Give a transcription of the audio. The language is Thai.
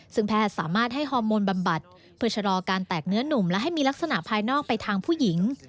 ซึ่งแพทย์สามารถให้ฮอร์โมนบำบัดเพื่อชะลอการแตกเนื้อนุ่มและให้มีลักษณะภายนอกไปทางผู้หญิง